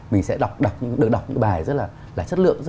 mình sẽ được đọc những bài rất là chất lượng